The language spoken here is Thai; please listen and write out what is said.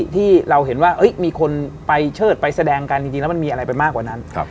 ที่เราเห็นว่ามีคนไปเชิดไปแสดงกันจริงแล้วมันมีอะไรไปมากกว่านั้น